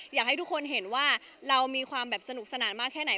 อยากให้ทุกคนเห็นว่าเรามีความแบบสนุกสนานมากแค่ไหน